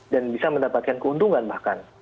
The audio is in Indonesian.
dan bisa mendapatkan keuntungan bahkan